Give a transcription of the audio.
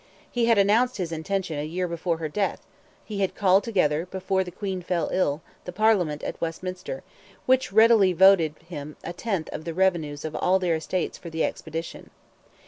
He had announced his intention a year before her death; he had called together, before the Queen fell ill, the Parliament at Westminster, which readily voted him "a tenth" of the revenues of all their estates for the expedition.